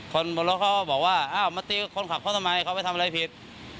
คนบนรถเขาก็บอกว่าอ้าวมาตีคนขับเขาทำไมเขาไปทำอะไรผิด